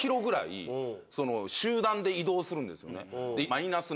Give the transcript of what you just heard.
マイナス